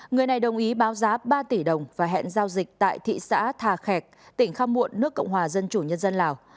người này đồng ý báo giá ba tỷ đồng và hẹn giao dịch tại thị xã thà khẹc tỉnh khăm muộn nước cộng hòa dân chủ nhân dân lào